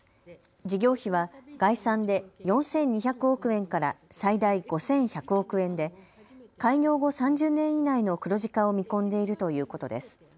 事業費は概算で４２００億円から最大５１００億円で開業後３０年以内の黒字化を見込んでいるということです。